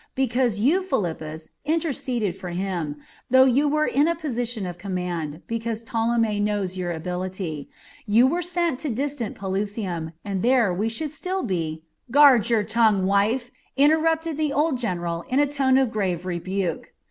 Because you, Philippus, interceded for him though you were in a position of command, because Ptolemy knows your ability you were sent to distant Pelusium, and there we should be still " "Guard your tongue, wife!" interrupted the old general in a tone of grave rebuke.